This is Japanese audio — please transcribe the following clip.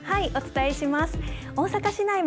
お伝えします。